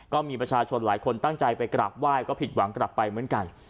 ก็มีประชาชนหลายคนตั้งใจไปกราบไหว้ก็ผิดหวังกลับไปเหมือนกัน